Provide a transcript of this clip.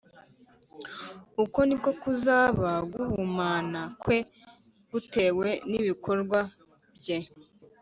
Uko ni ko kuzaba guhumana kwe gutewe nibikorwa bye